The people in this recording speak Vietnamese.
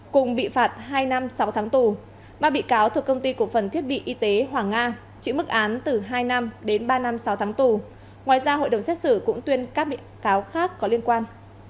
cùng bị phạt hai năm sáu tháng tù ba bị cáo thuộc công ty cổ phần thiết bị y tế hoàng nga chịu mức án từ hai năm đến ba năm sáu tháng tù ngoài ra hội đồng xét xử cũng tuyên các bị cáo khác có liên quan